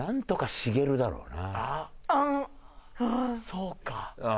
そうか。